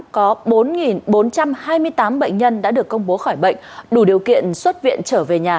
có bốn bốn trăm hai mươi tám bệnh nhân đã được công bố khỏi bệnh đủ điều kiện xuất viện trở về nhà